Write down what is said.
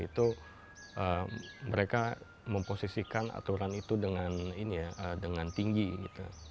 itu mereka memposisikan aturan itu dengan ini ya dengan tinggi gitu